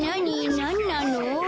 なんなの？